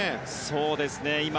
そうですね。